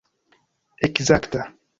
ekzakta